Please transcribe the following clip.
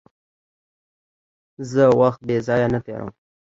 زه وخت بېځایه نه تېرووم.